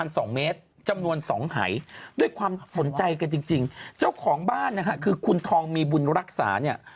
สนใจกันจริงเจ้าของบ้านคือคุณทองมีบุญรักษาเนี่ย